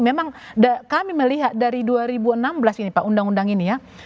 memang kami melihat dari dua ribu enam belas ini pak undang undang ini ya